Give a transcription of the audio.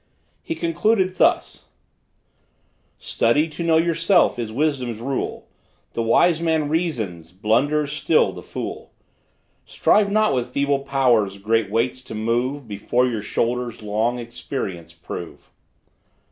He concluded thus: Study to know yourself, is wisdom's rule; The wise man reasons, blunders, still, the fool. Strive not with feeble powers great weights to move, Before your shoulders long experience prove.